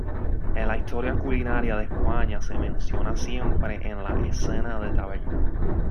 En la historia culinaria de España se menciona siempre en las escenas de taberna.